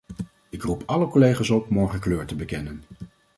Ik roep alle collega's op morgen kleur te bekennen.